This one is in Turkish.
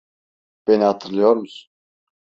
Beni hatırlıyor musun?